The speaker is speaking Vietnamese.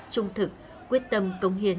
trung thực quyết tâm cống hiến